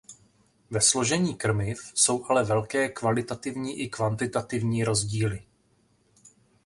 Ve složení krmiv jsou ale velké kvalitativní i kvantitativní rozdíly.